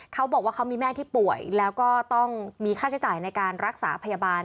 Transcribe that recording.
เขาบอกว่าเขามีแม่ที่ป่วยแล้วก็ต้องมีค่าใช้จ่ายในการรักษาพยาบาล